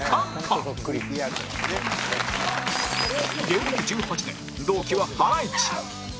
芸歴１８年同期はハライチ